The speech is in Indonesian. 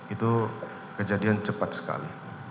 itu kejadian cepat sekali